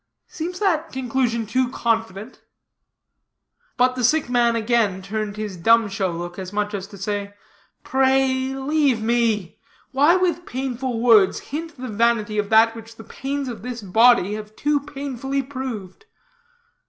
Seems that conclusion too confident?" But the sick man again turned his dumb show look, as much as to say, "Pray leave me. Why, with painful words, hint the vanity of that which the pains of this body have too painfully proved?"